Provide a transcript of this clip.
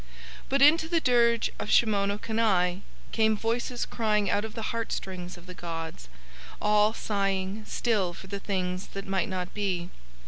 But into the dirge of Shimono Kani came voices crying out of the heart strings of the gods, all sighing still for the things that might not be.